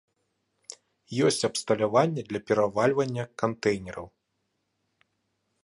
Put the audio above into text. Ёсць абсталяванне для перавальвання кантэйнераў.